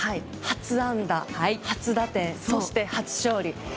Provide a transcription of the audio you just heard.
初安打、初打点そして、初勝利。